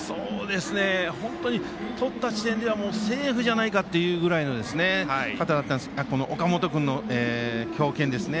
本当にとった時点ではセーフじゃないかというぐらいの岡本君の強肩ですね。